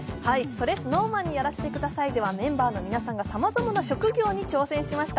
「それＳｎｏｗＭａｎにやらせて下さい」ではメンバーの皆さんがさまざまな職業に挑戦しました。